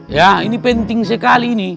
ya ini penting sekali ini